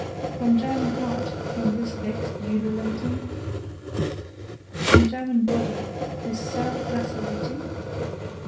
From German heart came this vexed ululating? From German body, this self lacerating?